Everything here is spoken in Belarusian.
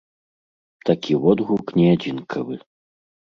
Такі водгук не адзінкавы.